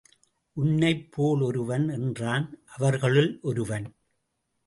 உன்னைப் போல் ஒருவன் என்றான் அவர்களுள் ஒருவன்.